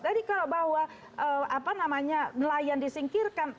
tadi kalau bahwa apa namanya nelayan disingkirkan